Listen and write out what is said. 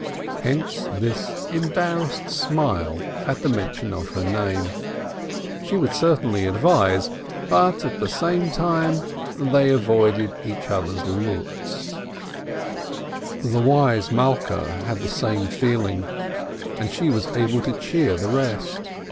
Hence this embarrassed smile at the mention of her name; she would certainly advise, but at the same time they avoided each other's look. The wise Malkeh had the same feeling, but she was able to cheer the rest.